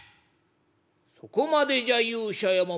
「そこまでじゃ勇者山本。